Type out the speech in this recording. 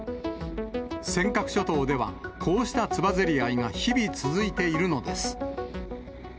尖閣諸島では、こうしたつばぜり合いが日々続いているのです。